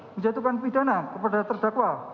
menjatuhkan pidana kepada terdakwa